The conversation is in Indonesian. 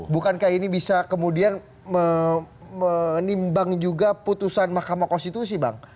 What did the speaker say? bukankah ini bisa kemudian menimbang juga putusan mahkamah konstitusi bang